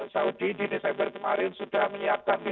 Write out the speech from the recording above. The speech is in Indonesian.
saudi di desember ini sudah dilakukan vaksin covid sembilan belas